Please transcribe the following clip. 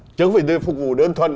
chứ không phải phục vụ đơn thuần